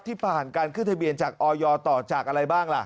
ที่ผ่านการขึ้นทะเบียนจากออยต่อจากอะไรบ้างล่ะ